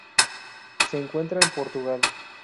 Se encuentra en Portugal.